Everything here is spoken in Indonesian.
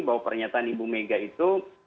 bahwa pernyataan ibu mega itu